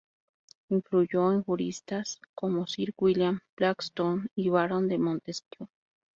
Influyó en juristas como Sir William Blackstone y Barón de Montesquieu.